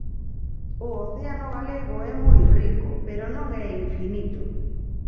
O océano galego é moi rico, pero non é infinito.